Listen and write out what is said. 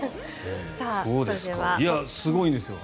すごいんですよ。